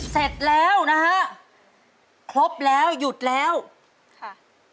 เสร็จแล้วนะฮะครบแล้วหยุดแล้วค่ะ